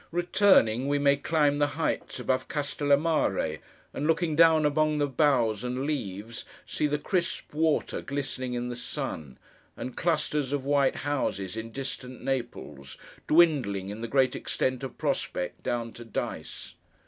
Returning, we may climb the heights above Castel a Mare, and looking down among the boughs and leaves, see the crisp water glistening in the sun; and clusters of white houses in distant Naples, dwindling, in the great extent of prospect, down to dice.